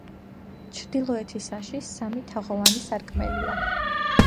ჩრდილოეთისაში სამი თაღოვანი სარკმელია.